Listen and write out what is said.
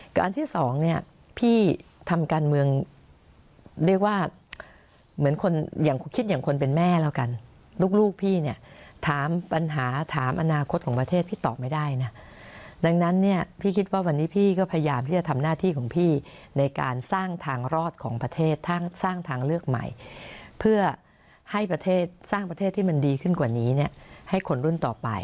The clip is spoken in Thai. คืออันที่สองเนี่ยพี่ทำการเมืองเรียกว่าเหมือนคนอย่างคิดอย่างคนเป็นแม่แล้วกันลูกพี่เนี่ยถามปัญหาถามอนาคตของประเทศพี่ตอบไม่ได้นะดังนั้นเนี่ยพี่คิดว่าวันนี้พี่ก็พยายามที่จะทำหน้าที่ของพี่ในการสร้างทางรอดของประเทศสร้างทางเลือกใหม่เพื่อให้ประเทศสร้างประเทศที่มันดีขึ้นกว่านี้เนี่ยให้คนรุ่นต่อไป